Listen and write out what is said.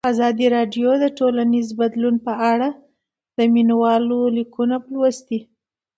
ازادي راډیو د ټولنیز بدلون په اړه د مینه والو لیکونه لوستي.